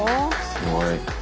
すごい。